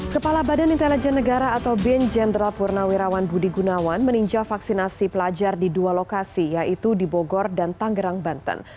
kepala badan intelijen negara atau bin jenderal purnawirawan budi gunawan meninjau vaksinasi pelajar di dua lokasi yaitu di bogor dan tanggerang banten